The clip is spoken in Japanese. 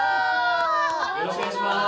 よろしくお願いします。